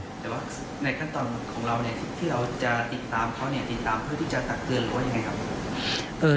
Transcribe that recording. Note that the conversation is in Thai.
แต่ว่าในขั้นตอนของเราเนี่ยที่เราจะติดตามเขาเนี่ยติดตามเพื่อที่จะตักเตือนหรือว่ายังไงครับ